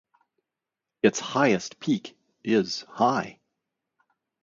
Its highest peak is high.